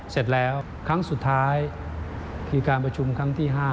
เสร็จแล้วครั้งสุดท้ายคือการประชุมครั้งที่๕